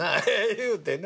言うてな。